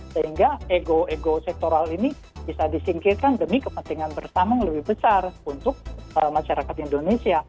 sehingga ego ego sektoral ini bisa disingkirkan demi kepentingan bersama yang lebih besar untuk masyarakat indonesia